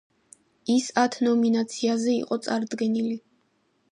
ის ათ ნომინაციაზე იყო წარდგენილი.